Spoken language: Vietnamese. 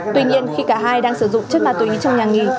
tuy nhiên khi cả hai đang sử dụng chất ma túy trong nhà nghỉ